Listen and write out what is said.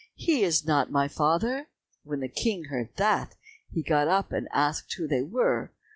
He is not my father." When the King heard that, he got up, and asked who they were.